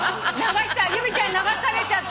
由美ちゃんに流されちゃった。